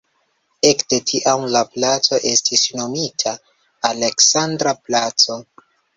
Ekde tiam la placo estis nomita "Aleksandra placo".